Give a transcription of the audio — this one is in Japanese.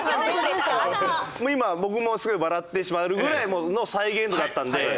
今僕もすごい笑ってしまえるぐらいの再現度だったので。